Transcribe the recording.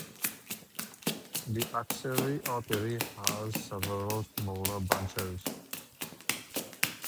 The axillary artery has several smaller branches.